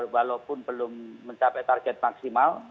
walaupun belum mencapai target maksimal